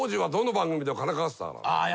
ああ。